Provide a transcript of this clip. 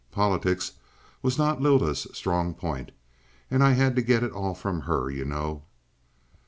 Politics was not Lylda's strong point, and I had to get it all from her, you know.